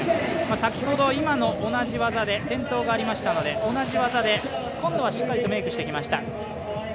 先ほど今の同じ技で転倒がありましたので同じ技で、今度はしっかりとメークしてきました。